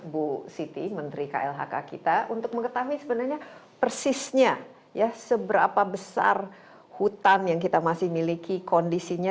bu siti menteri klhk kita untuk mengetahui sebenarnya persisnya ya seberapa besar hutan yang kita masih miliki kondisinya